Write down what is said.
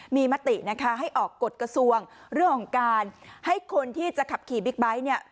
มีมตินะคะให้ออกกฎกระทรวงเรื่องของการให้คนที่จะขับขี่บิ๊กไบท์เนี่ย